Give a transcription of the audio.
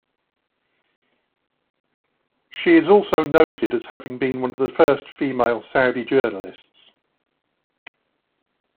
She is also noted as having been one of the first female Saudi journalists.